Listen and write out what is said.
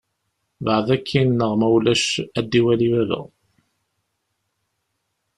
Beɛd akin neɣ ma ulac ad d-iwali baba.